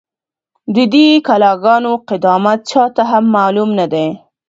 ، د دې کلا گانو قدامت چا ته هم معلوم نه دی،